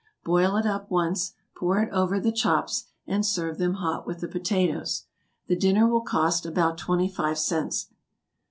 Boil it up once, pour it over the chops, and serve them hot with the potatoes. The dinner will cost about twenty five cents.